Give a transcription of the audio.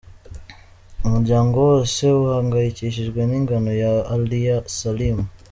Umuryango wose uhangayikishijwe n’ingano ya Aliya Saleem.